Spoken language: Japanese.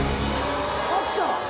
あった。